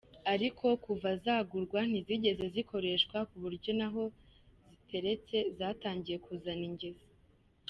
Ariko kuva zagurwa ntizigize zikoreshwa kuburyo naho ziteretse zatangiye kuzana ingese.